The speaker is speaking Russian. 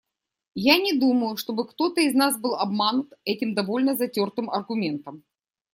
Я не думаю, чтобы кто-то из нас был обманут этим довольно затертым аргументом.